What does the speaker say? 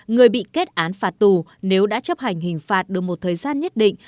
người bị kết án phạt tù nếu đã chấp hành hình phạt được một thời gian nhất định